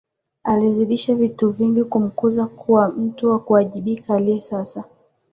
Alizidisha vitu vingi kumkuza kuwa mtu wa kuwajibika aliye sasa